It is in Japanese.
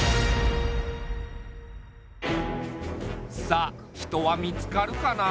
さあ人は見つかるかな？